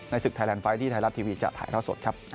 ศึกไทยแลนไฟท์ที่ไทยรัฐทีวีจะถ่ายเท่าสดครับ